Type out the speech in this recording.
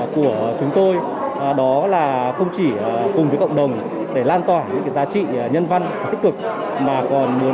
của chúng tôi đó là không chỉ cùng với cộng đồng để lan tỏa những giá trị nhân văn tích cực mà còn muốn